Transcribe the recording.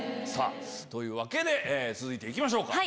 というわけで続いて行きましょうか。